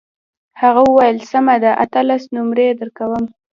هغه وویل سمه ده اتلس نمرې درکوم.